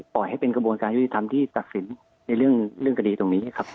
ปล่อยให้เป็นกระบวนการยุติธรรมที่ตัดสินในเรื่องคดีตรงนี้ครับ